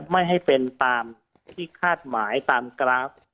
ไม่ให้เป็นตามที่คาดหมายตามกราฟ